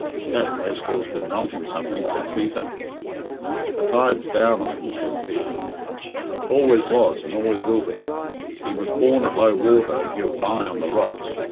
"That wastrel's been wanting something," said Cæsar. "The tide's down on him," said Pete. "Always was, and always will be. He was born at low water, and he'll die on the rocks.